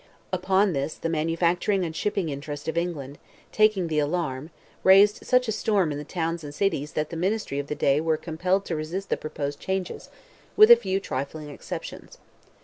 Upon this the manufacturing and shipping interest of England, taking the alarm, raised such a storm in the towns and cities that the ministry of the day were compelled to resist the proposed changes, with a few trifling exceptions.